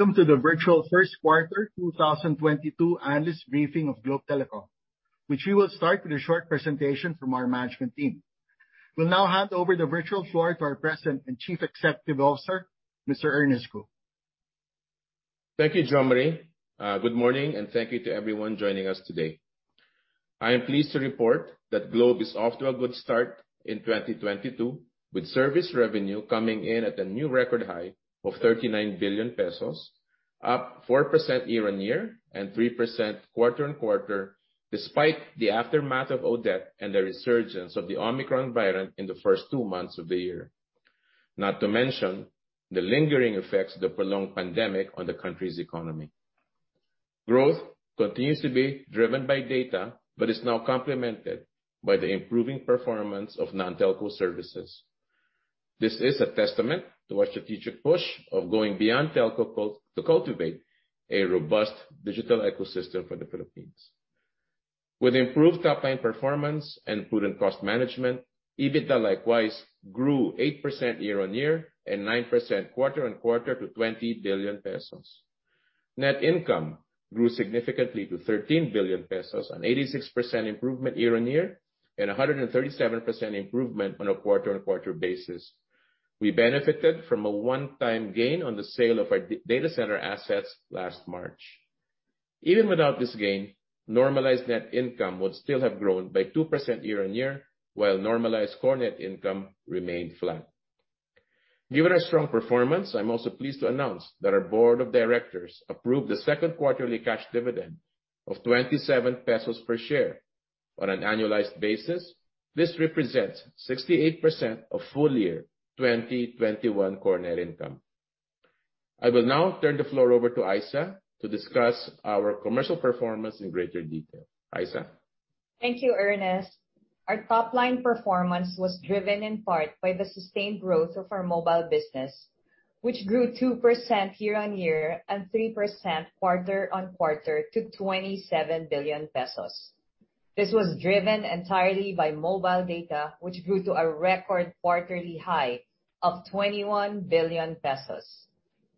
Welcome to the virtual Q1 2022 analyst briefing of Globe Telecom, which we will start with a short presentation from our management team. We'll now hand over the virtual floor to our President and Chief Executive Officer, Mr. Ernest Cu. Thank you, Jose Mari. Good morning, and thank you to everyone joining us today. I am pleased to report that Globe is off to a good start in 2022, with service revenue coming in at a new record high of 39 billion pesos, up 4% year-on-year and 3% quarter-on-quarter, despite the aftermath of Odette and the resurgence of the Omicron variant in the first two months of the year. Not to mention, the lingering effects of the prolonged pandemic on the country's economy. Growth continues to be driven by data, but is now complemented by the improving performance of non-telco services. This is a testament to our strategic push of going beyond telco to cultivate a robust digital ecosystem for the Philippines. With improved top line performance and prudent cost management, EBITDA likewise grew 8% year-on-year and 9% quarter-on-quarter to 20 billion pesos. Net income grew significantly to 13 billion pesos, an 86% improvement year-on-year and a 137% improvement on a quarter-on-quarter basis. We benefited from a one-time gain on the sale of our data center assets last March. Even without this gain, normalized net income would still have grown by 2% year-on-year, while normalized core net income remained flat. Given our strong performance, I'm also pleased to announce that our board of directors approved the second quarterly cash dividend of 27 pesos per share. On an annualized basis, this represents 68% of full year 2021 core net income. I will now turn the floor over to Issa to discuss our commercial performance in greater detail. Issa? Thank you, Ernest. Our top line performance was driven in part by the sustained growth of our mobile business, which grew 2% year-on-year and 3% quarter-on-quarter to 27 billion pesos. This was driven entirely by mobile data, which grew to a record quarterly high of 21 billion pesos.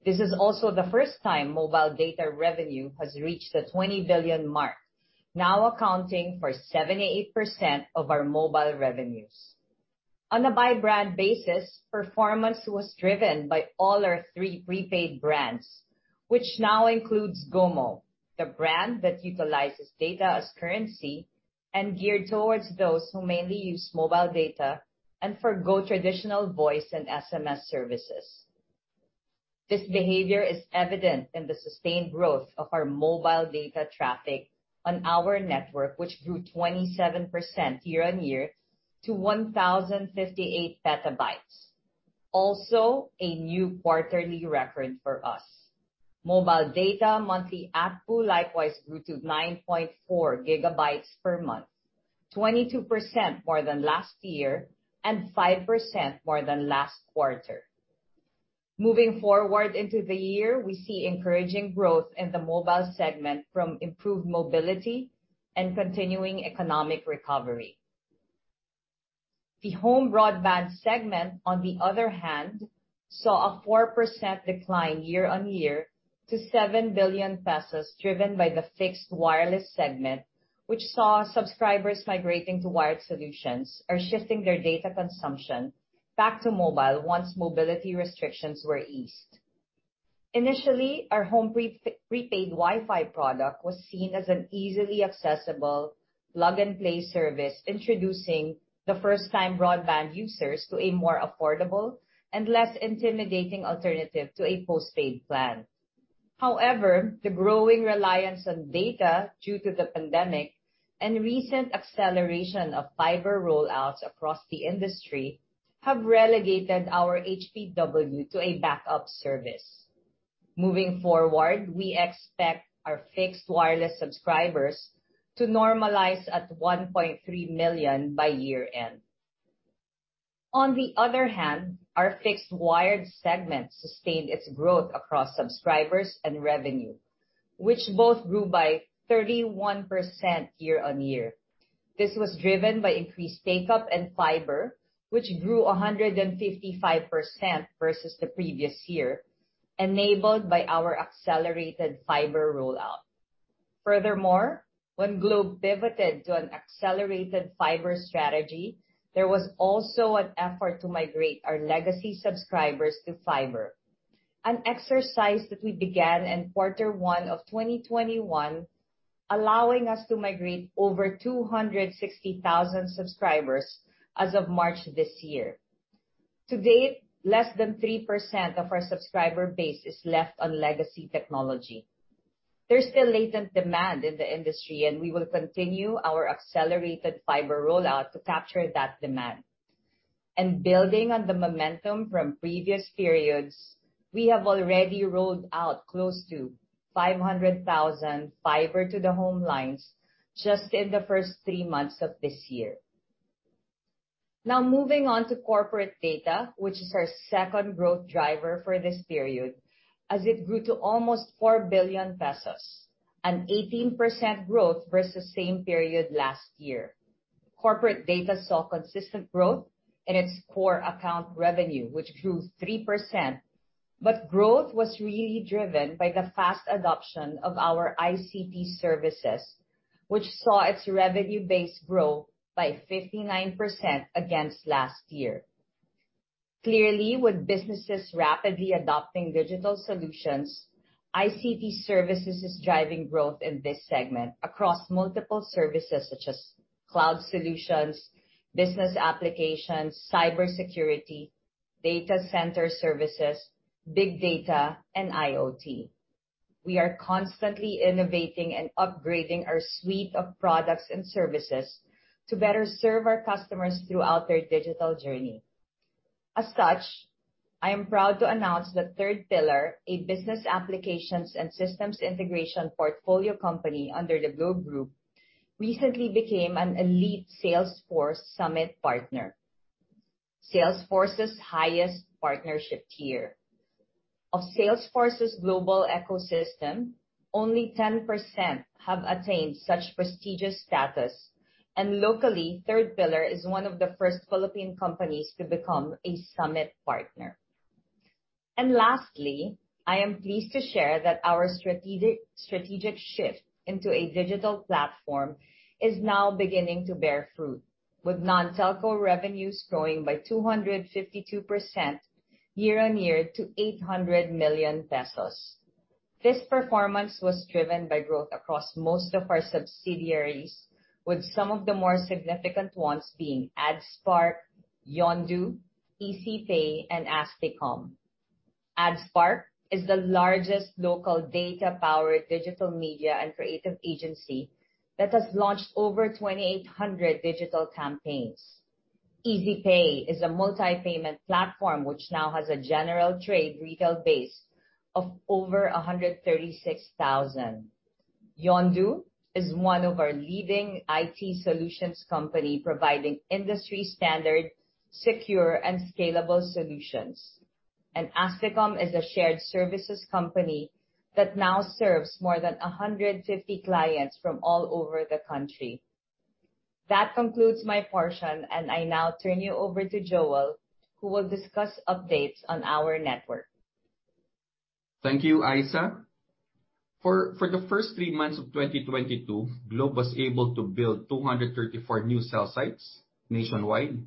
This is also the first time mobile data revenue has reached the 20 billion mark, now accounting for 78% of our mobile revenues. On a by brand basis, performance was driven by all our 3 prepaid brands, which now includes GOMO, the brand that utilizes data as currency and geared towards those who mainly use mobile data and forgo traditional voice and SMS services. This behavior is evident in the sustained growth of our mobile data traffic on our network, which grew 27% year-on-year to 1,058 PB. A new quarterly record for us. Mobile data monthly AUPU likewise grew to 9.4 GB per month, 22% more than last year and 5% more than last quarter. Moving forward into the year, we see encouraging growth in the mobile segment from improved mobility and continuing economic recovery. The home broadband segment, on the other hand, saw a 4% decline year-on-year to 7 billion pesos, driven by the fixed wireless segment, which saw subscribers migrating to wired solutions or shifting their data consumption back to mobile once mobility restrictions were eased. Initially, our Home Prepaid WiFi product was seen as an easily accessible plug-and-play service, introducing first-time broadband users to a more affordable and less intimidating alternative to a postpaid plan. However, the growing reliance on data due to the pandemic and recent acceleration of fiber rollouts across the industry have relegated our HPW to a backup service. Moving forward, we expect our fixed wireless subscribers to normalize at 1.3 million by year end. On the other hand, our fixed wired segment sustained its growth across subscribers and revenue, which both grew by 31% year on year. This was driven by increased take-up in fiber, which grew 155% versus the previous year, enabled by our accelerated fiber rollout. Furthermore, when Globe pivoted to an accelerated fiber strategy, there was also an effort to migrate our legacy subscribers to fiber. An exercise that we began in quarter one of 2021, allowing us to migrate over 260,000 subscribers as of March this year. To date, less than 3% of our subscriber base is left on legacy technology. There's still latent demand in the industry, and we will continue our accelerated fiber rollout to capture that demand. Building on the momentum from previous periods, we have already rolled out close to 500,000 fiber to the home lines just in the first three months of this year. Now, moving on to corporate data, which is our second growth driver for this period, as it grew to almost 4 billion pesos, an 18% growth versus same period last year. Corporate data saw consistent growth in its core account revenue, which grew 3%, but growth was really driven by the fast adoption of our ICT services, which saw its revenue base grow by 59% against last year. Clearly, with businesses rapidly adopting digital solutions, ICT services is driving growth in this segment across multiple services such as cloud solutions, business applications, cybersecurity, data center services, big data, and IoT. We are constantly innovating and upgrading our suite of products and services to better serve our customers throughout their digital journey. As such, I am proud to announce that Third Pillar, a business applications and systems integration portfolio company under the Globe Group, recently became an elite Salesforce Summit Partner, Salesforce's highest partnership tier. Of Salesforce's global ecosystem, only 10% have attained such prestigious status. Locally, Third Pillar is one of the first Philippine companies to become a Summit Partner. Lastly, I am pleased to share that our strategic shift into a digital platform is now beginning to bear fruit, with non-telco revenues growing by 252% year-on-year to 800 million pesos. This performance was driven by growth across most of our subsidiaries, with some of the more significant ones being AdSpark, Yondu, ECPay, and Asticom. AdSpark is the largest local data-powered digital media and creative agency that has launched over 2,800 digital campaigns. ECPay is a multi-payment platform which now has a general trade retail base of over 136,000. Yondu is one of our leading IT solutions company providing industry standard, secure, and scalable solutions. Asticom is a shared services company that now serves more than 150 clients from all over the country. That concludes my portion, and I now turn you over to Joel, who will discuss updates on our network. Thank you, Issa. For the first three months of 2022, Globe was able to build 234 new cell sites nationwide,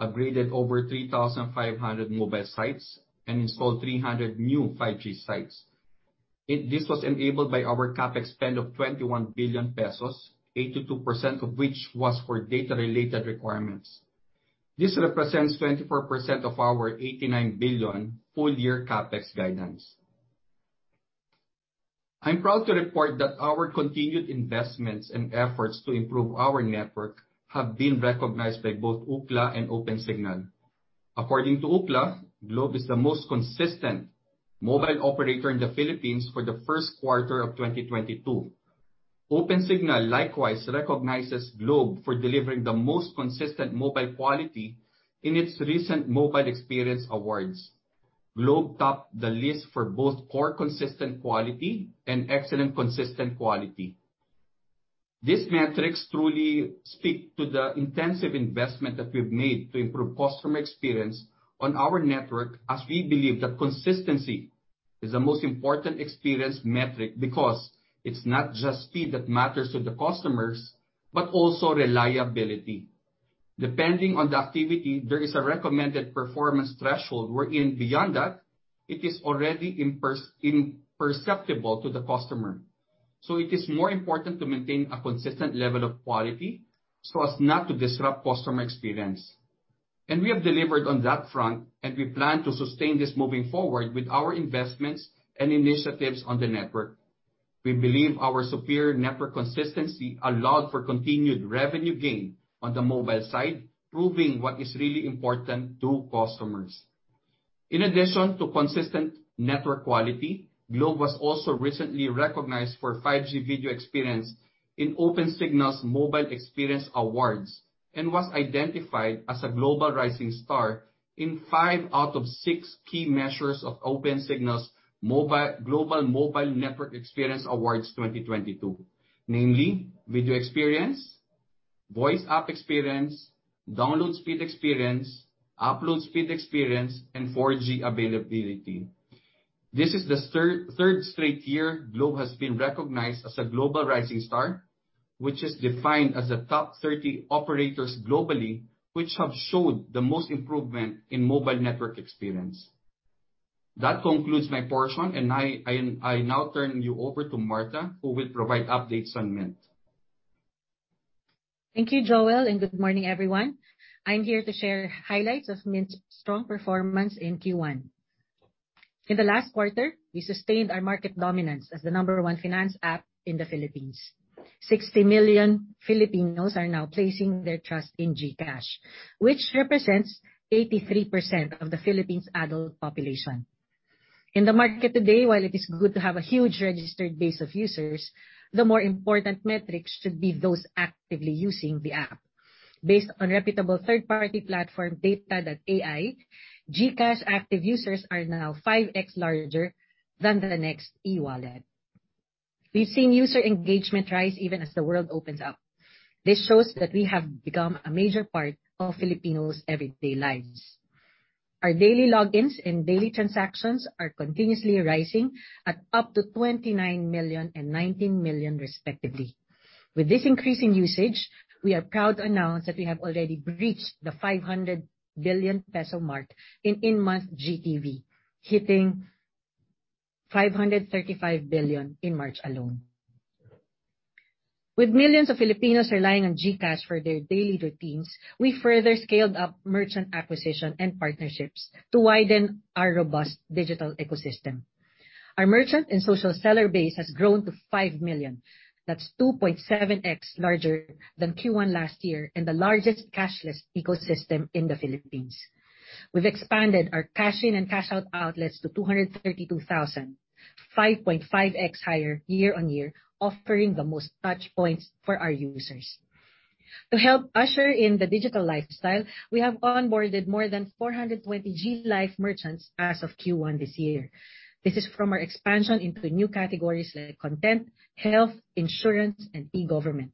upgraded over 3,500 mobile sites, and installed 300 new 5G sites. This was enabled by our CapEx spend of 21 billion pesos, 82% of which was for data-related requirements. This represents 24% of our 89 billion full year CapEx guidance. I'm proud to report that our continued investments and efforts to improve our network have been recognized by both Ookla and Opensignal. According to Ookla, Globe is the most consistent mobile operator in the Philippines for the Q1 of 2022. Opensignal likewise recognizes Globe for delivering the most consistent mobile quality in its recent Mobile Experience Awards. Globe topped the list for both Core Consistent Quality and Excellent Consistent Quality. These metrics truly speak to the intensive investment that we've made to improve customer experience on our network, as we believe that consistency is the most important experience metric because it's not just speed that matters to the customers, but also reliability. Depending on the activity, there is a recommended performance threshold wherein beyond that, it is already imperceptible to the customer. So it is more important to maintain a consistent level of quality so as not to disrupt customer experience. We have delivered on that front, and we plan to sustain this moving forward with our investments and initiatives on the network. We believe our superior network consistency allowed for continued revenue gain on the mobile side, proving what is really important to customers. In addition to consistent network quality, Globe was also recently recognized for 5G video experience in Opensignal's Mobile Experience Awards, and was identified as a Global Rising Star in five out of six key measures of Opensignal's Global Mobile Network Experience Awards 2022, namely Video Experience, Voice App Experience, Download Speed Experience, Upload Speed Experience, and 4G Availability. This is the third straight year Globe has been recognized as a Global Rising Star, which is defined as the top 30 operators globally which have showed the most improvement in mobile network experience. That concludes my portion, and I now turn you over to Martha, who will provide updates on Mynt. Thank you, Joel, and good morning, everyone. I'm here to share highlights of Mynt's strong performance in Q1. In the last quarter, we sustained our market dominance as the number one finance app in the Philippines. 60 million Filipinos are now placing their trust in GCash, which represents 83% of the Philippines' adult population. In the market today, while it is good to have a huge registered base of users, the more important metrics should be those actively using the app. Based on reputable third-party platform data.ai, GCash active users are now 5x larger than the next e-wallet. We've seen user engagement rise even as the world opens up. This shows that we have become a major part of Filipinos' everyday lives. Our daily logins and daily transactions are continuously rising at up to 29 million and 19 million respectively. With this increase in usage, we are proud to announce that we have already breached the 500 billion peso mark in-month GTV, hitting 535 billion in March alone. With millions of Filipinos relying on GCash for their daily routines, we further scaled up merchant acquisition and partnerships to widen our robust digital ecosystem. Our merchant and social seller base has grown to 5 million. That's 2.7x larger than Q1 last year and the largest cashless ecosystem in the Philippines. We've expanded our cash in and cash out outlets to 232,000, 5.5x higher year-on-year, offering the most touch points for our users. To help usher in the digital lifestyle, we have onboarded more than 420 GLife merchants as of Q1 this year. This is from our expansion into new categories like content, health, insurance, and e-government.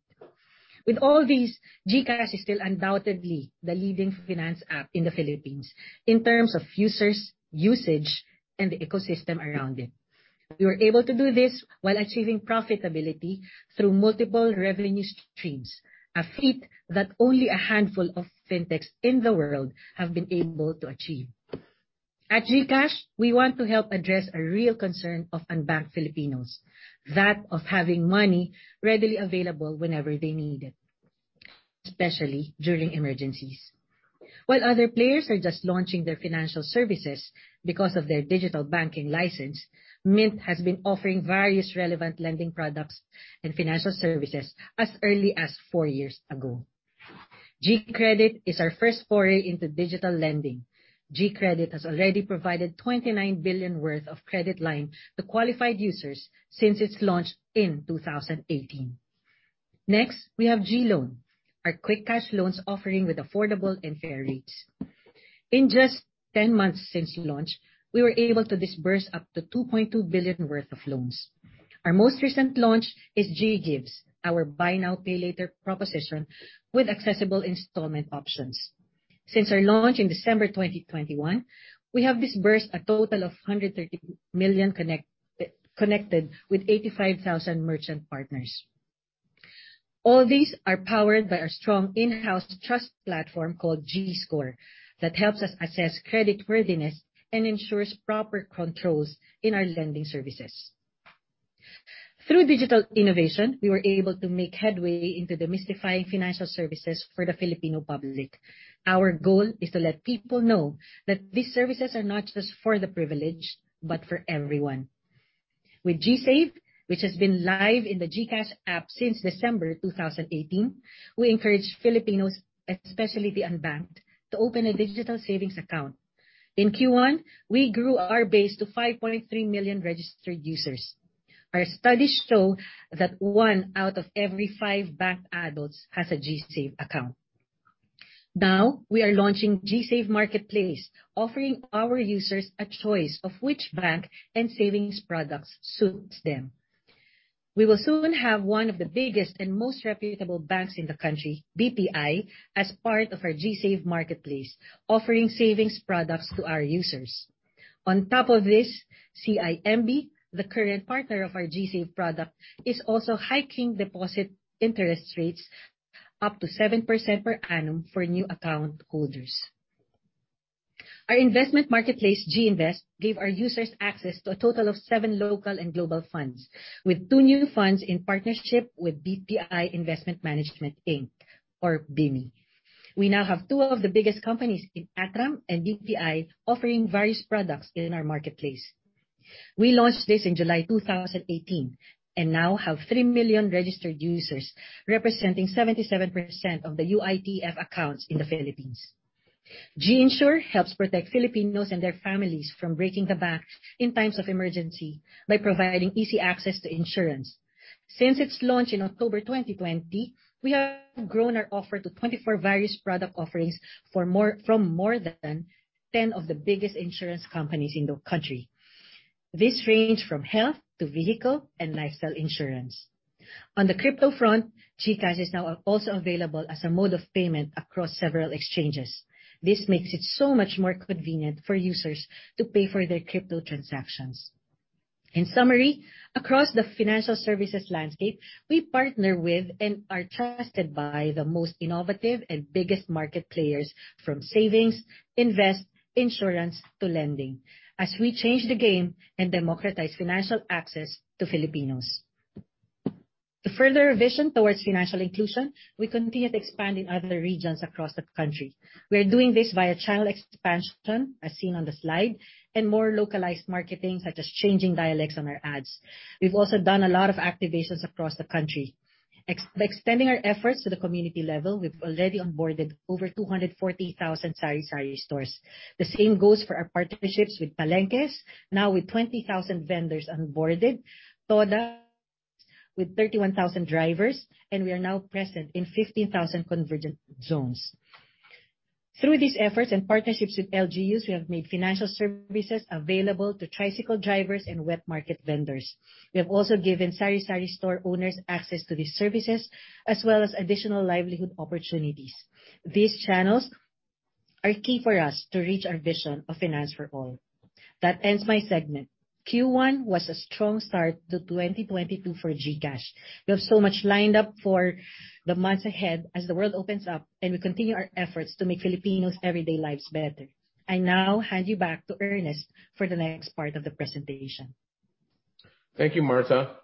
With all these, GCash is still undoubtedly the leading finance app in the Philippines in terms of users, usage, and the ecosystem around it. We were able to do this while achieving profitability through multiple revenue streams, a feat that only a handful of fintechs in the world have been able to achieve. At GCash, we want to help address a real concern of unbanked Filipinos, that of having money readily available whenever they need it, especially during emergencies. While other players are just launching their financial services because of their digital banking license, Mynt has been offering various relevant lending products and financial services as early as four years ago. GCredit is our first foray into digital lending. GCredit has already provided 29 billion worth of credit line to qualified users since its launch in 2018. Next, we have GLoan, our quick cash loans offering with affordable and fair rates. In just 10 months since launch, we were able to disburse up to 2.2 billion worth of loans. Our most recent launch is GGives, our buy now, pay later proposition with accessible installment options. Since our launch in December 2021, we have disbursed a total of 130 million connected with 85,000 merchant partners. All these are powered by our strong in-house trust platform called GScore that helps us assess creditworthiness and ensures proper controls in our lending services. Through digital innovation, we were able to make headway into demystifying financial services for the Filipino public. Our goal is to let people know that these services are not just for the privileged, but for everyone. With GSave, which has been live in the GCash app since December 2018, we encourage Filipinos, especially the unbanked, to open a digital savings account. In Q1, we grew our base to 5.3 million registered users. Our studies show that one out of every five banked adults has a GSave account. Now, we are launching GSave Marketplace, offering our users a choice of which bank and savings products suits them. We will soon have one of the biggest and most reputable banks in the country, BPI, as part of our GSave Marketplace, offering savings products to our users. On top of this, CIMB, the current partner of our GSave product, is also hiking deposit interest rates up to 7% per annum for new account holders. Our investment marketplace, GInvest, gave our users access to a total of 7 local and global funds with 2 new funds in partnership with BPI Investment Management, Inc., or BIMI. We now have 2 of the biggest companies in ATRAM and BPI offering various products in our marketplace. We launched this in July 2018 and now have 3 million registered users, representing 77% of the UITF accounts in the Philippines. GInsure helps protect Filipinos and their families from breaking the bank in times of emergency by providing easy access to insurance. Since its launch in October 2020, we have grown our offer to 24 various product offerings from more than 10 of the biggest insurance companies in the country. This range from health to vehicle and lifestyle insurance. On the crypto front, GCash is now also available as a mode of payment across several exchanges. This makes it so much more convenient for users to pay for their crypto transactions. In summary, across the financial services landscape, we partner with and are trusted by the most innovative and biggest market players from savings, invest, insurance to lending as we change the game and democratize financial access to Filipinos. To further our vision towards financial inclusion, we continue expanding other regions across the country. We are doing this via channel expansion, as seen on the slide, and more localized marketing, such as changing dialects on our ads. We've also done a lot of activations across the country. By extending our efforts to the community level, we have already onboarded over 240,000 sari-sari stores. The same goes for our partnerships with palengkes, now with 20,000 vendors onboarded, Toda with 31,000 drivers, and we are now present in 15,000 convergent zones. Through these efforts and partnerships with LGUs, we have made financial services available to tricycle drivers and wet market vendors. We have also given sari-sari store owners access to these services, as well as additional livelihood opportunities. These channels are key for us to reach our vision of finance for all. That ends my segment. Q1 was a strong start to 2022 for GCash. We have so much lined up for the months ahead as the world opens up, and we continue our efforts to make Filipinos' everyday lives better. I now hand you back to Ernest for the next part of the presentation. Thank you, Martha,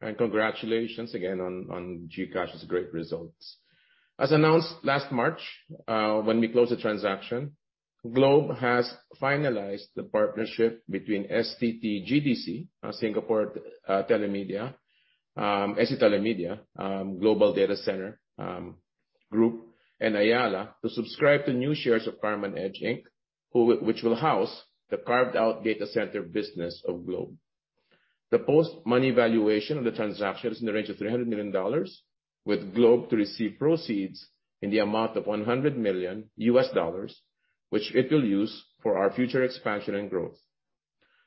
and congratulations again on GCash's great results. As announced last March, when we closed the transaction, Globe has finalized the partnership between STT GDC, ST Telemedia Global Data Centres, and Ayala to subscribe to new shares of Carmen Edge Inc., which will house the carved-out data center business of Globe. The post-money valuation of the transaction is in the range of $300 million, with Globe to receive proceeds in the amount of $100 million, which it will use for our future expansion and growth.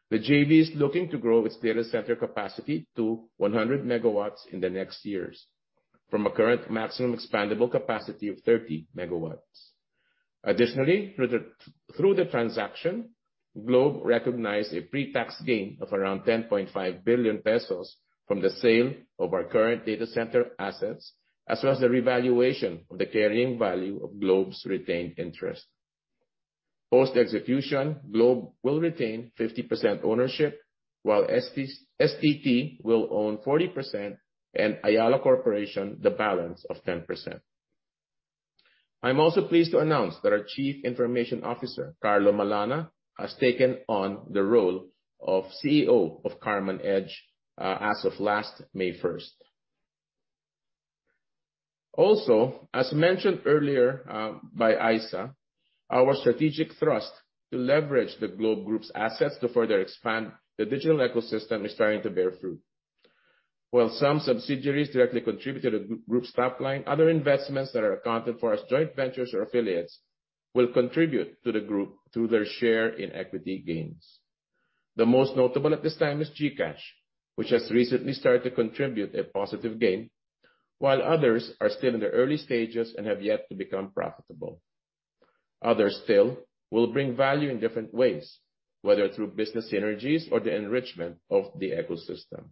The JV is looking to grow its data center capacity to 100 megawatts in the next years, from a current maximum expandable capacity of 30 megawatts. Additionally, through the transaction, Globe recognized a pre-tax gain of around 10.5 billion pesos from the sale of our current data center assets, as well as the revaluation of the carrying value of Globe's retained interest. Post-execution, Globe will retain 50% ownership, while STT will own 40% and Ayala Corporation the balance of 10%. I'm also pleased to announce that our chief information officer, Carlo Malana, has taken on the role of CEO of Carmen Edge as of last May 1. As mentioned earlier by Issa, our strategic thrust to leverage the Globe group's assets to further expand the digital ecosystem is starting to bear fruit. While some subsidiaries directly contribute to the group's top line, other investments that are accounted for as joint ventures or affiliates will contribute to the group through their share in equity gains. The most notable at this time is GCash, which has recently started to contribute a positive gain, while others are still in their early stages and have yet to become profitable. Others still will bring value in different ways, whether through business synergies or the enrichment of the ecosystem.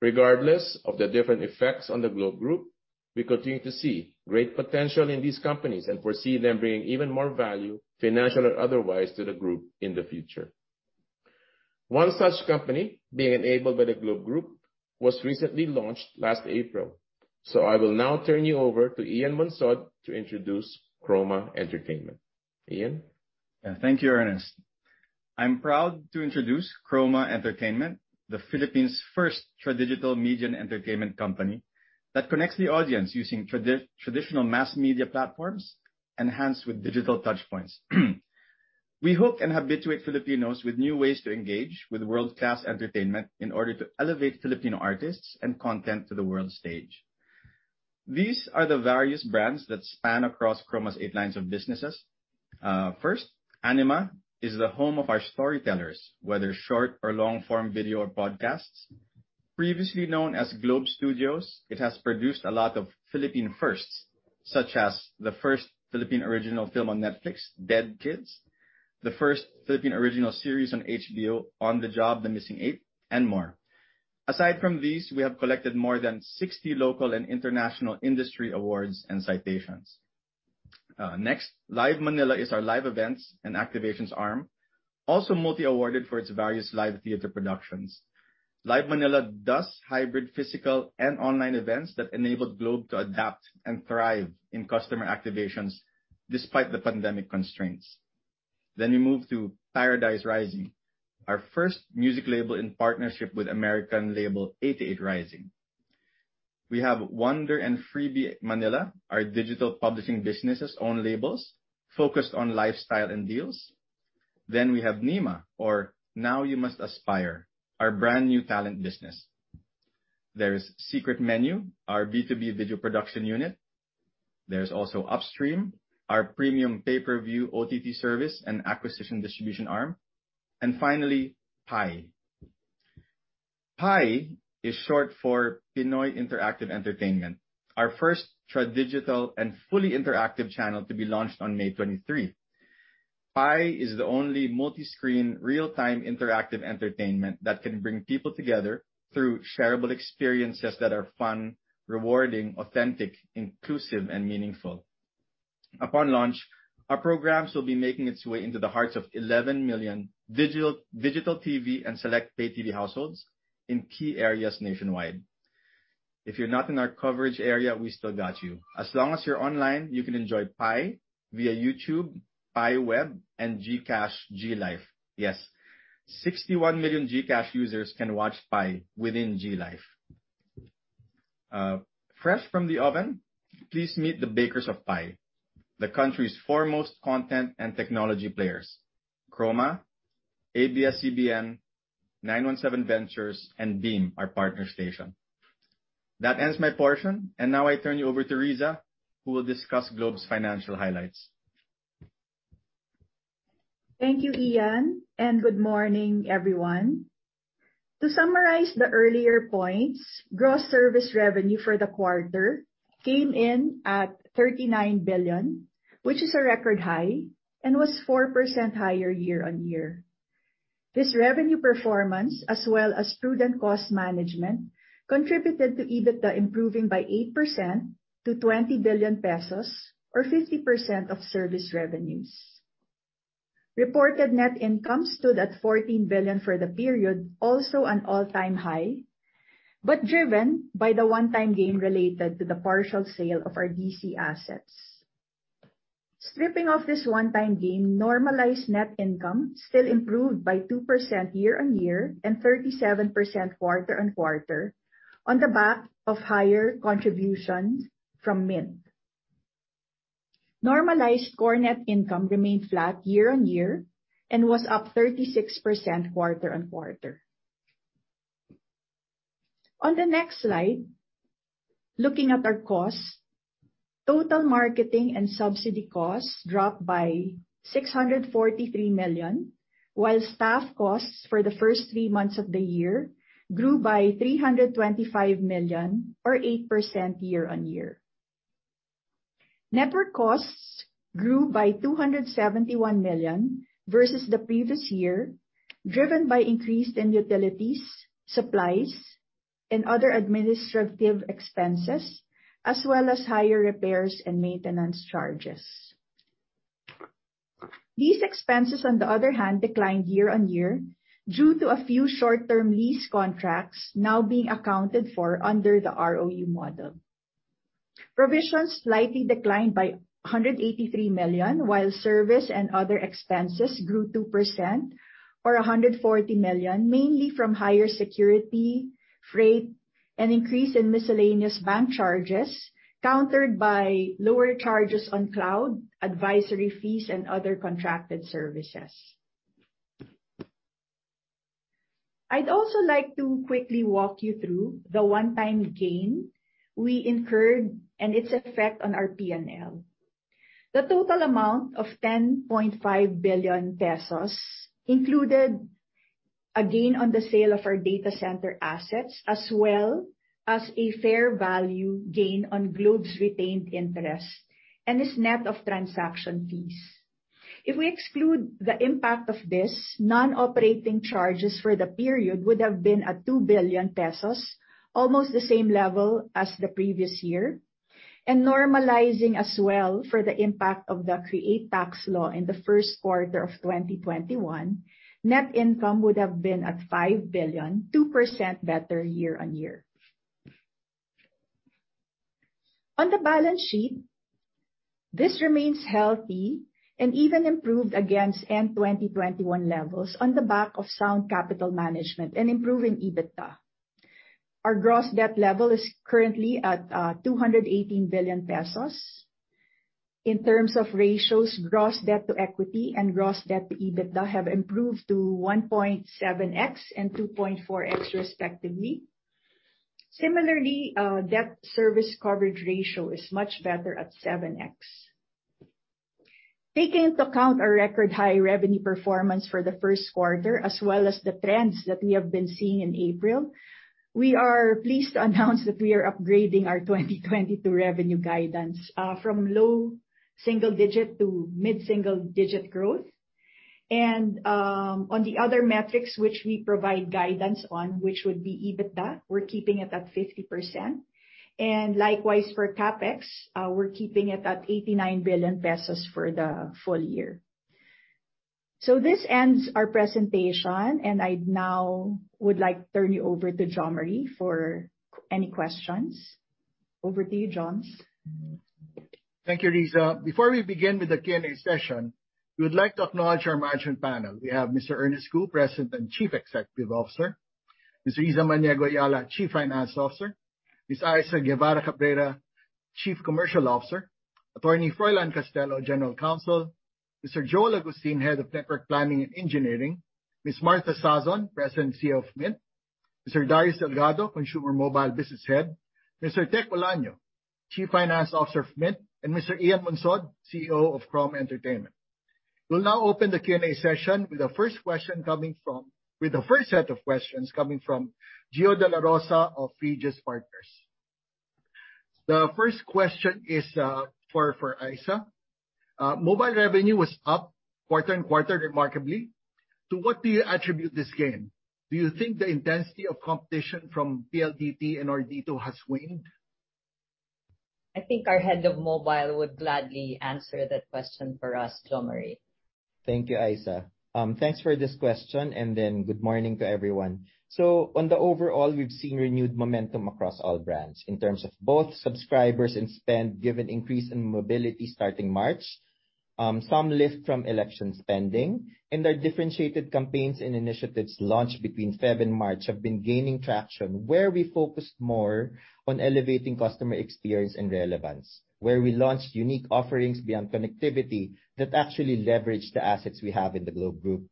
Regardless of the different effects on the Globe group, we continue to see great potential in these companies and foresee them bringing even more value, financial or otherwise, to the group in the future. One such company being enabled by the Globe group was recently launched last April, so I will now turn you over to Ian Monsod to introduce KROMA Entertainment. Ian? Thank you, Ernest. I'm proud to introduce KROMA Entertainment, the Philippines' first tradigital media and entertainment company that connects the audience using traditional mass media platforms enhanced with digital touchpoints. We hook and habituate Filipinos with new ways to engage with world-class entertainment in order to elevate Filipino artists and content to the world stage. These are the various brands that span across KROMA's eight lines of businesses. First, ANIMA is the home of our storytellers, whether short or long-form video or podcasts. Previously known as Globe Studios, it has produced a lot of Philippine firsts, such as the first Philippine original film on Netflix, Dead Kids, the first Philippine original series on HBO, On the Job: The Missing 8, and more. Aside from these, we have collected more than 60 local and international industry awards and citations. Next, Live MNL is our live events and activations arm, also multi-awarded for its various live theater productions. Live MNL does hybrid physical and online events that enabled Globe to adapt and thrive in customer activations despite the pandemic constraints. We move to Paradise Rising, our first music label in partnership with American label 88rising. We have Wonder and FreebieMNL, our digital publishing business' own labels focused on lifestyle and deals. We have NYMA, or Now You Must Aspire, our brand-new talent business. There's Secret Menu, our B2B video production unit. There's also Upstream, our premium pay-per-view OTT service and acquisition distribution arm. Finally, PIE. PIE is short for Pinoy Interactive Entertainment, our first tradigital and fully interactive channel to be launched on May 23. PIE is the only multiscreen real-time interactive entertainment that can bring people together through shareable experiences that are fun, rewarding, authentic, inclusive and meaningful. Upon launch, our programs will be making its way into the hearts of 11 million digital TV and select pay TV households in key areas nationwide. If you're not in our coverage area, we still got you. As long as you're online, you can enjoy PIE via YouTube, PIE web and GCash GLife. Yes, 61 million GCash users can watch PIE within GLife. Fresh from the oven, please meet the bakers of PIE, the country's foremost content and technology players, KROMA, ABS-CBN, 917Ventures and BEAM, our partner station. That ends my portion. Now I turn you over to Rizza, who will discuss Globe's financial highlights. Thank you, Ian, and good morning, everyone. To summarize the earlier points, gross service revenue for the quarter came in at 39 billion, which is a record high and was 4% higher year-on-year. This revenue performance, as well as prudent cost management, contributed to EBITDA improving by 8% to 20 billion pesos or 50% of service revenues. Reported net income stood at 14 billion for the period, also an all-time high, but driven by the one-time gain related to the partial sale of our DC assets. Stripping off this one-time gain, normalized net income still improved by 2% year-on-year and 37% quarter-on-quarter on the back of higher contributions from MYNT. Normalized core net income remained flat year-on-year and was up 36% quarter-on-quarter. On the next slide, looking at our costs, total marketing and subsidy costs dropped by 643 million, while staff costs for the first three months of the year grew by 325 million or 8% year-on-year. Network costs grew by 271 million versus the previous year, driven by increase in utilities, supplies, and other administrative expenses, as well as higher repairs and maintenance charges. These expenses on the other hand, declined year-on-year due to a few short-term lease contracts now being accounted for under the ROU model. Provisions slightly declined by 183 million, while service and other expenses grew 2% or 140 million, mainly from higher security, freight, an increase in miscellaneous bank charges, countered by lower charges on cloud, advisory fees, and other contracted services. I'd also like to quickly walk you through the one-time gain we incurred and its effect on our P&L. The total amount of 10.5 billion pesos included a gain on the sale of our data center assets, as well as a fair value gain on Globe's retained interest, and is net of transaction fees. If we exclude the impact of this, non-operating charges for the period would have been at 2 billion pesos, almost the same level as the previous year. Normalizing as well for the impact of the CREATE tax law in the Q1 of 2021, net income would have been at 5 billion, 2% better year-on-year. On the balance sheet, this remains healthy and even improved against end 2021 levels on the back of sound capital management and improving EBITDA. Our gross debt level is currently at 218 billion pesos. In terms of ratios, gross debt to equity and gross debt to EBITDA have improved to 1.7x and 2.4x respectively. Similarly, debt service coverage ratio is much better at 7x. Taking into account our record high revenue performance for the Q1 as well as the trends that we have been seeing in April, we are pleased to announce that we are upgrading our 2022 revenue guidance from low single digit to mid-single digit growth. On the other metrics which we provide guidance on, which would be EBITDA, we're keeping it at 50%. Likewise for CapEx, we're keeping it at 89 billion pesos for the full year. This ends our presentation, and I'd now like to turn you over to Jose Mari for any questions. Over to you, Jose. Thank you, Riza. Before we begin with the Q&A session, we would like to acknowledge our management panel. We have Mr. Ernest Cu, President and Chief Executive Officer, Mr. Rizza Maniego-Eala, Chief Finance Officer, Ms. Issa Guevarra-Cabreira, Chief Commercial Officer, Attorney Froilan Castelo, General Counsel, Mr. Joel Agustin, Head of Network Planning and Engineering, Ms. Martha Sazon, President and CEO of Mynt, Mr. Darius Delgado, Consumer Mobile Business Head, Mr. Tek Olaño, Chief Finance Officer of Mynt, and Mr. Ian Monsod, CEO of KROMA Entertainment. We'll now open the Q&A session with the first set of questions coming from Gio dela Rosa of Phidias Partners. The first question is for Issa. Mobile revenue was up quarter-over-quarter remarkably. To what do you attribute this gain? Do you think the intensity of competition from PLDT and Dito has waned? I think our head of mobile would gladly answer that question for us, Jose Mari. Thank you, Issa. Thanks for this question, and then good morning to everyone. On the overall, we've seen renewed momentum across all brands in terms of both subscribers and spend, given the increase in mobility starting March. Some lift from election spending and our differentiated campaigns and initiatives launched between Feb and March have been gaining traction, where we focused more on elevating customer experience and relevance, where we launched unique offerings beyond connectivity that actually leverage the assets we have in the Globe Group.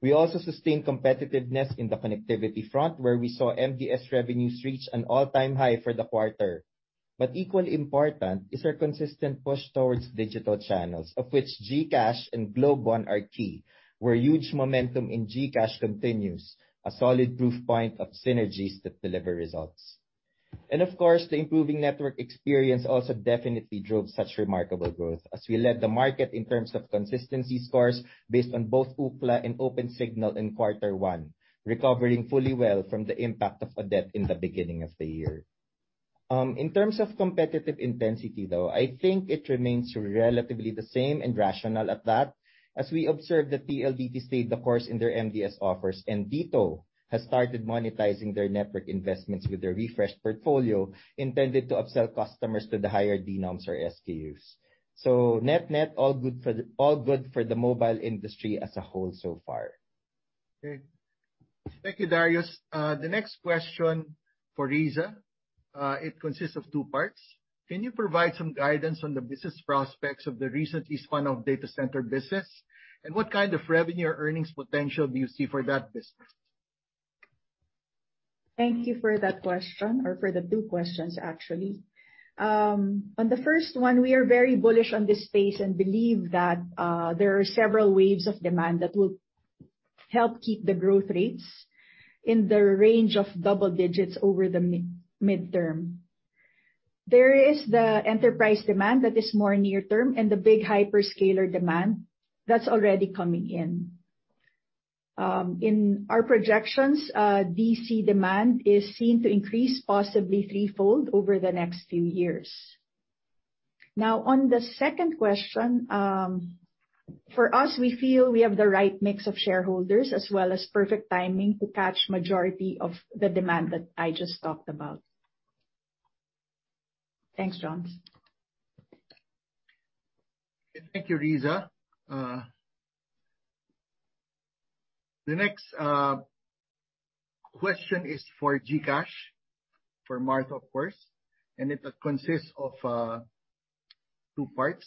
We also sustained competitiveness in the connectivity front, where we saw MDS revenues reach an all-time high for the quarter. Equally important is our consistent push towards digital channels, of which GCash and GlobeOne are key, where huge momentum in GCash continues, a solid proof point of synergies that deliver results. Of course, the improving network experience also definitely drove such remarkable growth as we led the market in terms of consistency scores based on both Ookla and Opensignal in quarter one, recovering fully well from the impact of Odette in the beginning of the year. In terms of competitive intensity, though, I think it remains relatively the same and rational at that, as we observe that PLDT stayed the course in their MDS offers, and Dito has started monetizing their network investments with their refreshed portfolio intended to upsell customers to the higher denoms or SKUs. Net-net, all good for the mobile industry as a whole so far. Okay. Thank you, Darius. The next question for Rizza, it consists of two parts. Can you provide some guidance on the business prospects of the recent spin-off data center business, and what kind of revenue or earnings potential do you see for that business? Thank you for that question, or for the two questions, actually. On the first one, we are very bullish on this space and believe that there are several waves of demand that will help keep the growth rates in the range of double digits over the midterm. There is the enterprise demand that is more near-term and the big hyperscaler demand that's already coming in. In our projections, DC demand is seen to increase possibly threefold over the next few years. Now, on the second question, for us, we feel we have the right mix of shareholders as well as perfect timing to catch majority of the demand that I just talked about. Thanks, Jose. Thank you, Rizza. The next question is for GCash, for Martha, of course, and it consists of two parts.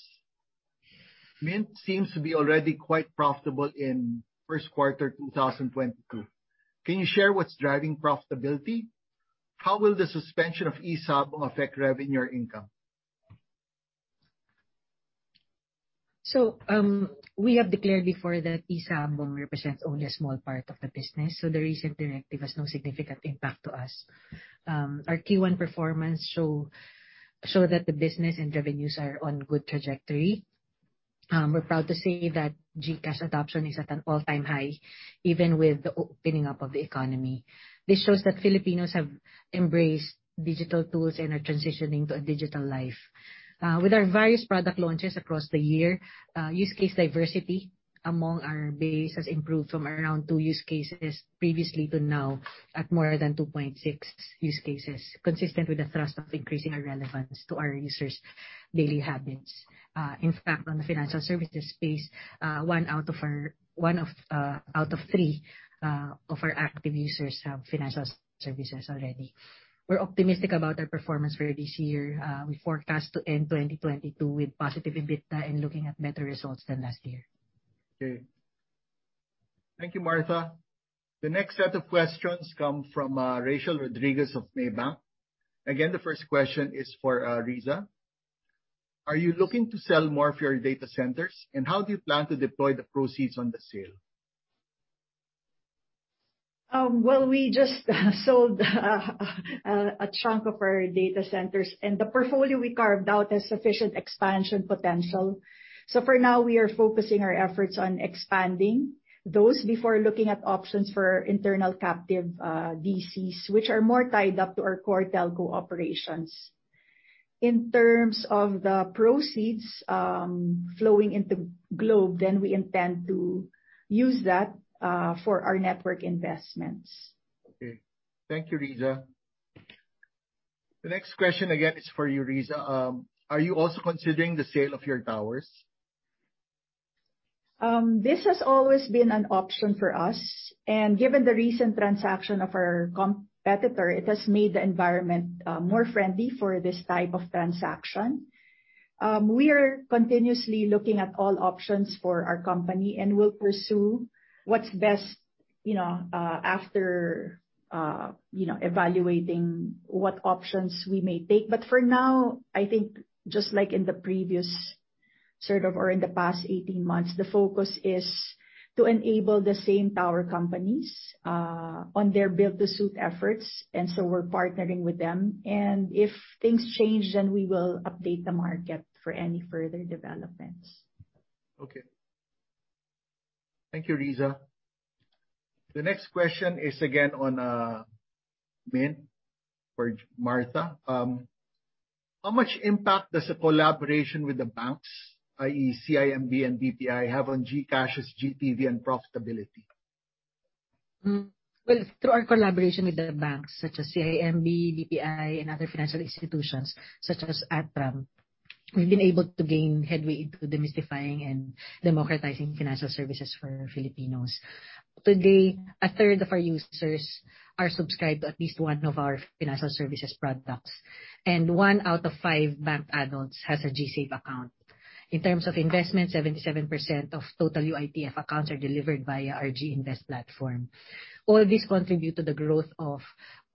Mynt seems to be already quite profitable in Q1 2022. Can you share what's driving profitability? How will the suspension of e-Sabong affect revenue or income? We have declared before that e-Sabong represents only a small part of the business, so the recent directive has no significant impact to us. Our Q1 performance shows that the business and revenues are on good trajectory. We are proud to say that GCash adoption is at an all-time high, even with the opening up of the economy. This shows that Filipinos have embraced digital tools and are transitioning to a digital life. With our various product launches across the year, use case diversity among our base has improved from around two use cases previously to now at more than 2.6 use cases, consistent with the thrust of increasing our relevance to our users' daily habits. In fact, on the financial services space, one out of three of our active users have financial services already. We're optimistic about our performance for this year. We forecast to end 2022 with positive EBITDA and looking at better results than last year. Okay. Thank you, Martha. The next set of questions come from Rachel Rodriguez of Maybank. Again, the first question is for Rizza. Are you looking to sell more of your data centers, and how do you plan to deploy the proceeds on the sale? Well, we just sold a chunk of our data centers, and the portfolio we carved out has sufficient expansion potential. For now, we are focusing our efforts on expanding those before looking at options for internal captive DCs, which are more tied up to our core telco operations. In terms of the proceeds flowing into Globe, then we intend to use that for our network investments. Okay. Thank you, Rizza. The next question, again, is for you, Rizza. Are you also considering the sale of your towers? This has always been an option for us, and given the recent transaction of our competitor, it has made the environment more friendly for this type of transaction. We are continuously looking at all options for our company and will pursue what's best, you know, after you know, evaluating what options we may take. But for now, I think just like in the past 18 months, the focus is to enable the same tower companies on their build-to-suit efforts, and so we're partnering with them. If things change, then we will update the market for any further developments. Okay. Thank you, Rizza. The next question is again on Mynt for Martha. How much impact does the collaboration with the banks, i.e., CIMB and BPI, have on GCash's GTV and profitability? Well, through our collaboration with the banks such as CIMB, BPI, and other financial institutions such as ATRAM. We have been able to gain headway into demystifying and democratizing financial services for Filipinos. To date, 1/3 of our users are subscribed to at least one of our financial services products, and 1/5 of banked adults has a GSave account. In terms of investment, 77% of total UITF accounts are delivered via our GInvest platform. All this contribute to the growth of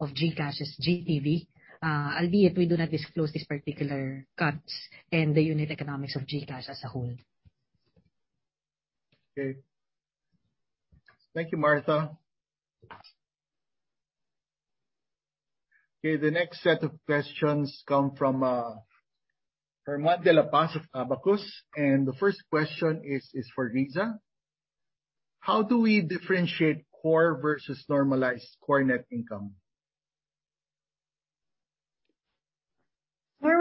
GCash's GTV, albeit we do not disclose these particular cuts and the unit economics of GCash as a whole. Okay. Thank you, Martha. Okay, the next set of questions come from German de la Paz of Abacus, and the first question is for Rizza. How do we differentiate core versus normalized core net income?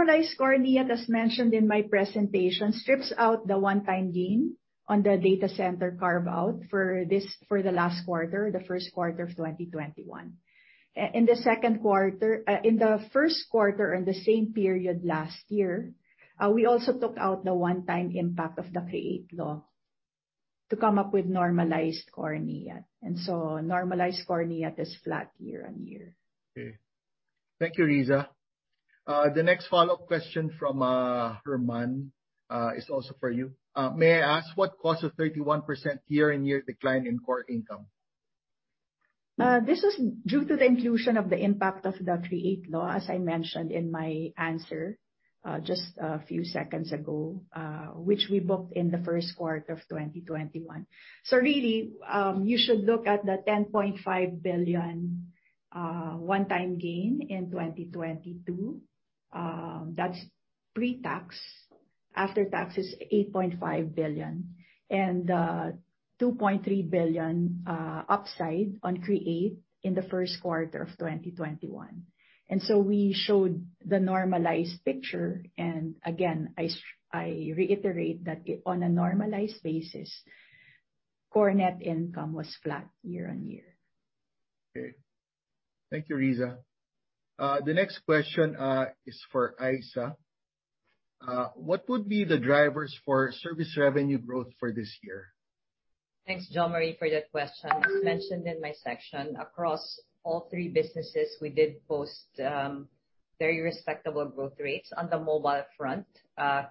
Normalized core NIAT, as mentioned in my presentation, strips out the one-time gain on the data center carve-out for the last quarter, the Q1 of 2021. In the Q1 in the same period last year, we also took out the one-time impact of the CREATE law to come up with normalized core NIAT. Normalized core NIAT is flat year-on-year. Okay. Thank you, Rizza. The next follow-up question from German is also for you. May I ask what caused the 31% year-on-year decline in core income? This is due to the inclusion of the impact of the CREATE law, as I mentioned in my answer just a few seconds ago, which we booked in the Q1 of 2021. Really, you should look at the 10.5 billion one-time gain in 2022. That's pre-tax. After tax, it's 8.5 billion. 2.3 billion upside on CREATE in the Q1 of 2021. We showed the normalized picture, and again, I reiterate that on a normalized basis, core net income was flat year-on-year. Okay. Thank you, Rizza. The next question is for Issa. What would be the drivers for service revenue growth for this year? Thanks, Jose Mari, for that question. As mentioned in my section, across all three businesses, we did post very respectable growth rates. On the mobile front,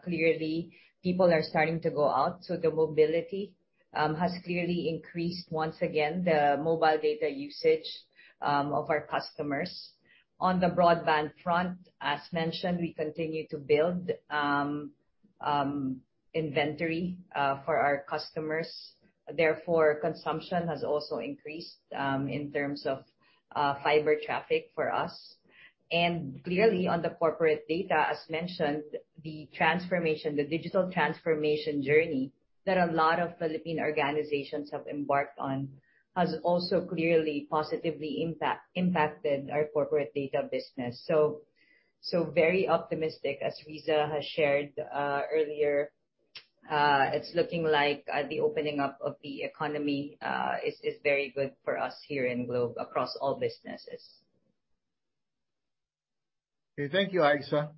clearly people are starting to go out, so the mobility has clearly increased once again the mobile data usage of our customers. On the broadband front, as mentioned, we continue to build inventory for our customers. Therefore, consumption has also increased in terms of fiber traffic for us. Clearly, on the corporate data, as mentioned, the transformation, the digital transformation journey that a lot of Philippine organizations have embarked on has also clearly positively impacted our corporate data business. Very optimistic, as Riza has shared earlier. It's looking like the opening up of the economy is very good for us here in Globe across all businesses. Okay. Thank you, Issa.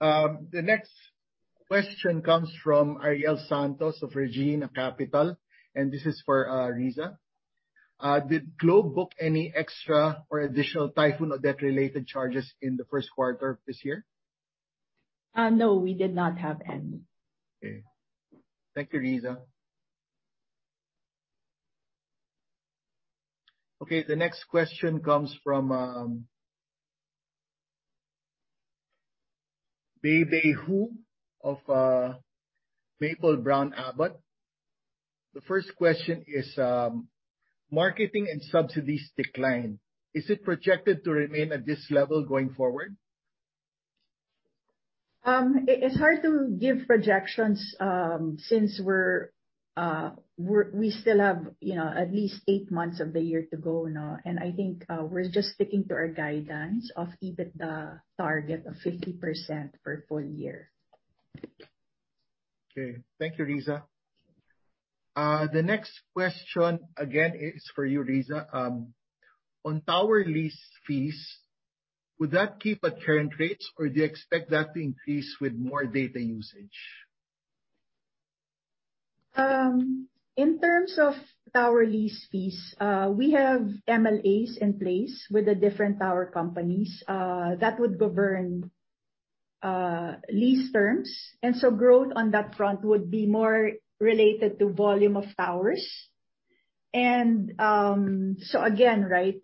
The next question comes from Ariel Santos of Regina Capital, and this is for Rizza. Did Globe book any extra or additional typhoon or debt-related charges in the Q1 of this year? No, we did not have any. Okay. Thank you, Rizza. Okay, the next question comes from BeiBei Hu of Maple-Brown Abbott. The first question is marketing and subsidies decline. Is it projected to remain at this level going forward? It's hard to give projections, since we still have, you know, at least 8 months of the year to go now, and I think, we're just sticking to our guidance of EBITDA target of 50% for full year. Okay. Thank you, Rizza. The next question, again, is for you, Rizza. On tower lease fees, would that keep at current rates, or do you expect that to increase with more data usage? In terms of tower lease fees, we have MLAs in place with the different tower companies that would govern lease terms. Growth on that front would be more related to volume of towers. Again, right,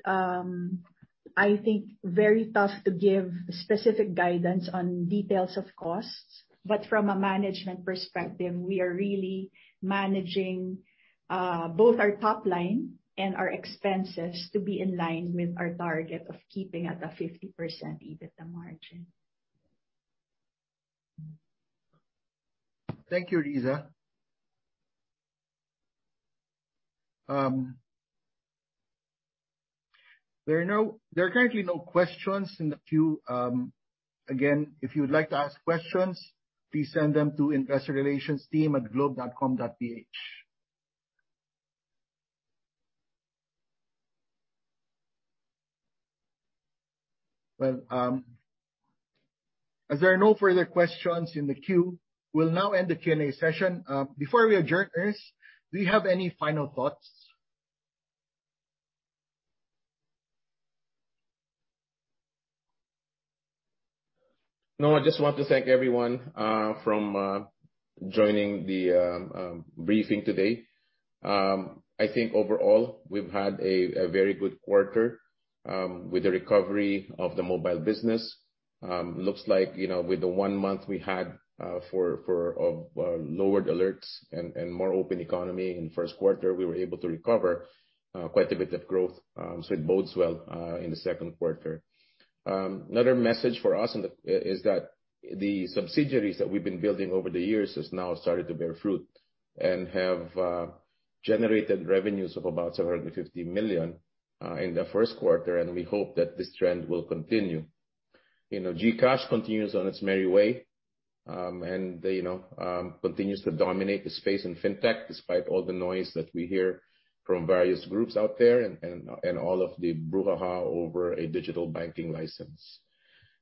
I think very tough to give specific guidance on details of costs. From a management perspective, we are really managing both our top line and our expenses to be in line with our target of keeping at the 50% EBITDA margin. Thank you, Rizza. There are currently no questions in the queue. Again, if you would like to ask questions, please send them to investorrelationsteam@globe.com.ph. As there are no further questions in the queue, we'll now end the Q&A session. Before we adjourn, Ernest, do you have any final thoughts? No, I just want to thank everyone for joining the briefing today. I think overall, we've had a very good quarter with the recovery of the mobile business. Looks like, you know, with the one month we had for lowered alerts and more open economy in Q1, we were able to recover quite a bit of growth. It bodes well in the Q2. Another message for us is that the subsidiaries that we've been building over the years has now started to bear fruit and have generated revenues of about 750 million in the Q1, and we hope that this trend will continue. You know, GCash continues on its merry way, and they, you know, continues to dominate the space in fintech despite all the noise that we hear from various groups out there and all of the brouhaha over a digital banking license.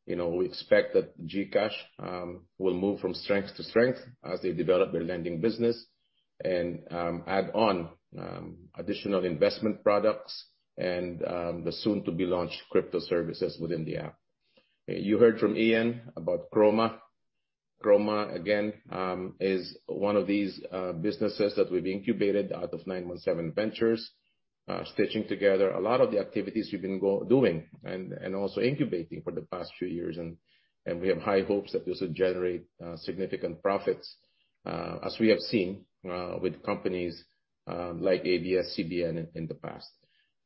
You know, we expect that GCash will move from strength to strength as they develop their lending business and add on additional investment products and the soon to be launched crypto services within the app. You heard from Ian about Kroma. Kroma, again, is one of these businesses that we've incubated out of 917Ventures, stitching together a lot of the activities we've been doing and also incubating for the past few years. We have high hopes that this will generate significant profits as we have seen with companies like ABS-CBN in the past.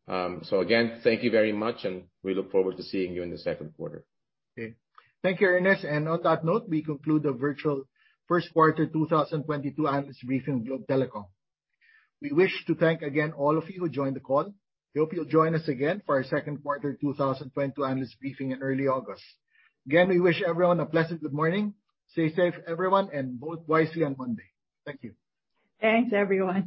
Again, thank you very much, and we look forward to seeing you in the Q2. Okay. Thank you, Ernest. On that note, we conclude the virtual Q1 2022 analyst briefing Globe Telecom. We wish to thank again all of you who joined the call. We hope you'll join us again for our Q2 2022 analyst briefing in early August. Again, we wish everyone a pleasant good morning. Stay safe, everyone, and vote wisely on Monday. Thank you. Thanks, everyone.